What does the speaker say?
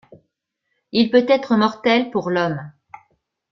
Il peut être mortel pour l'homme.